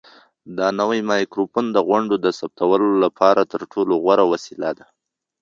دا نوی مایکروفون د غونډو د ثبتولو لپاره تر ټولو غوره وسیله ده.